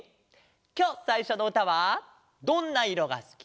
きょうさいしょのうたは「どんな色がすき」。